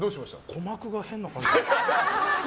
鼓膜が変な感じが。